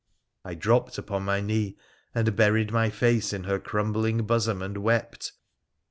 I dropped upon my knee and buried my face in her crumbling bosom and wept.